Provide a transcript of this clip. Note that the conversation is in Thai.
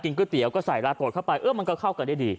ก๋วยเตี๋ยวก็ใส่ลาโตดเข้าไปเออมันก็เข้ากันได้ดี